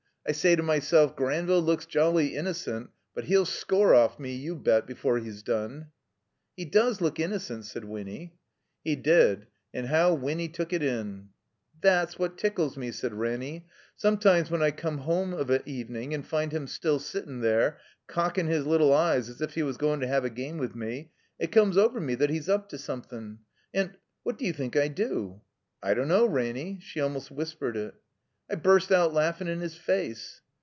I say to myself Granville looks jolly innocent, but he'll score off me, you bet, before he's done." *'He does look innocent," said Winny. He did. (And how Winny took it in !) ''That's what tickles me," said Ranny. "Some times, when I come home of a evening and find him still sittin' there, cockin' his little eyes as if he was goin' to have a game with me, it comes over me that he's up to something, and — ^what do you think I do?" "I don't know, Ranny." She almost whispered it. I burst out laughin' in his face."